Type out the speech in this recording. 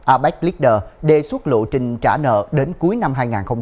apec leader đề xuất lộ trình trả nợ đến cuối năm hai nghìn hai mươi năm